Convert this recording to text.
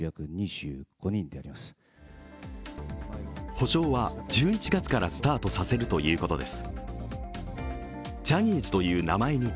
補償は１１月からスタートさせるということです。